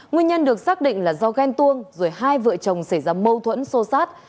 nguyên nhân được xác định là do ghen tuông rồi hai vợ chồng xảy ra mâu thuẫn sô sát